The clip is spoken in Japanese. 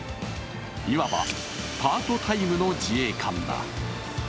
いわばパートタイムの自衛官だ。